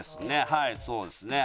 はいそうですね。